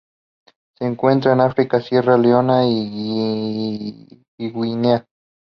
Se encuentran en África: Sierra Leona y Guinea.